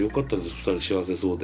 ２人幸せそうで。